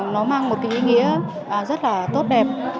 nó mang một ý nghĩa rất tốt đẹp